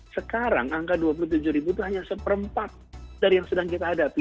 sekarang angka dua puluh tujuh ribu itu hanya seperempat dari yang sedang kita hadapi